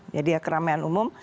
jadi ya keramaian umum